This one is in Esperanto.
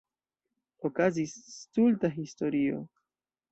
Okazis stulta historio.